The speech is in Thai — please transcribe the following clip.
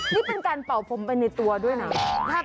นี่เป็นการเป่าผมไปในตัวด้วยนะ